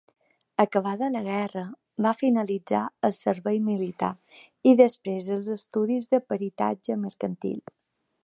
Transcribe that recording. Acabada la guerra, va finalitzar el servei militar i després els estudis de peritatge mercantil.